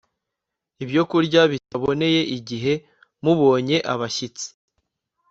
ibyokurya bitaboneye igihe mubonye abashyitsi